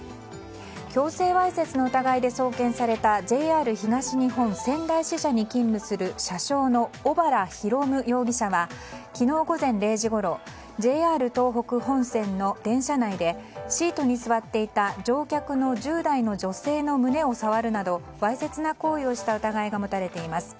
強制わいせつの疑いで送検されたＪＲ東日本仙台支社に勤務する車掌の小原広夢容疑者は昨日午前０時ごろＪＲ東北本線の電車内でシートに座っていた乗客の１０代の女性の胸を触るなどわいせつな行為をした疑いが持たれています。